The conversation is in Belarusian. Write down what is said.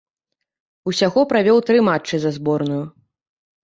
Усяго правёў тры матчы за зборную.